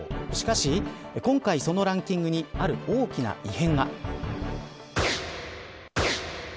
しかし、今回そのランキングにある大きな異変が。